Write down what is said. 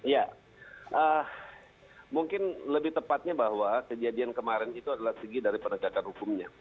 ya mungkin lebih tepatnya bahwa kejadian kemarin itu adalah segi dari penegakan hukumnya